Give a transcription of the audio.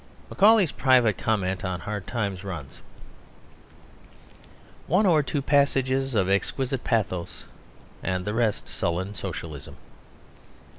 Macaulay's private comment on Hard Times runs, "One or two passages of exquisite pathos and the rest sullen Socialism."